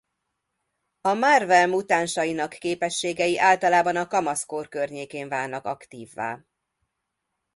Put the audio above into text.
A Marvel mutánsainak képességi általában a kamaszkor környékén válnak aktívvá.